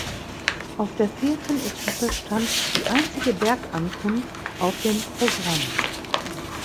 Auf der vierten Etappe stand die einzige Bergankunft auf dem Programm.